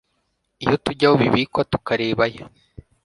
iyo tujya aho bibikwa, tukarebayo